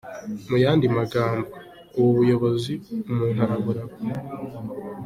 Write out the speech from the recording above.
Mu yandi magambo, ubu buyobozi umuntu araburagwa.